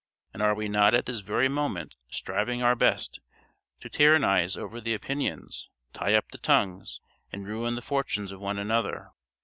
and are we not at this very moment striving our best to tyrannize over the opinions, tie up the tongues, and ruin the fortunes of one another?